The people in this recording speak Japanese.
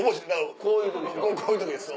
こういう時でしょ。